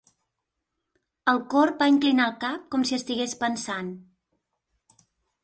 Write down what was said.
El corb va inclinar el cap com si estigués pensant.